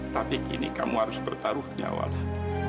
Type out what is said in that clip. tapi kini kamu harus bertaruh ke nyawalah